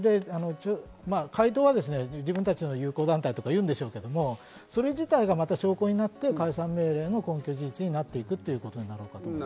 回答は自分たちの友好団体とか言うんでしょうけど、それ自体がまた証拠になって、解散命令の根拠・事実になっていくということです。